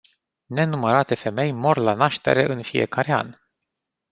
Nenumărate femei mor la naștere în fiecare an.